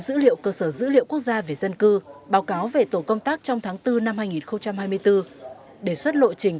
dữ liệu cơ sở dữ liệu quốc gia về dân cư báo cáo về tổ công tác trong tháng bốn năm hai nghìn hai mươi bốn đề xuất lộ trình